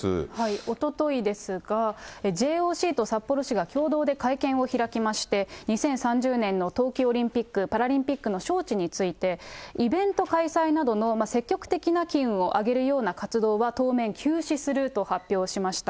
おとといですが、ＪＯＣと札幌市が共同で会見を開きまして、２０３０年の冬季オリンピック・パラリンピックの招致について、イベント開催などの積極的な機運を上げるような活動は当面休止すると発表しました。